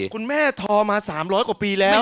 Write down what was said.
คุณแม่ทอมา๓๐๐กว่าปีแล้ว